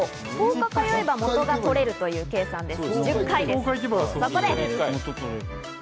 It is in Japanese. １０日通えばもとが取れるという計算です。